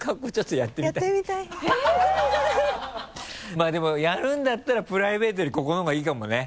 まぁでもやるんだったらプライベートよりここの方がいいかもね。